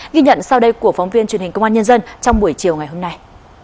ghi nhận sau đây của phóng viên truyền hình công an nhân dân trong buổi chiều ngày hôm nay